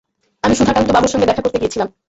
আমি সুধাকান্তবাবুর সঙ্গে দেখা করতে গিয়েছিলাম।